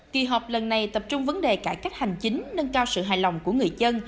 kỳ họp lần này tập trung vấn đề cải cách hành chính nâng cao sự hài lòng của người dân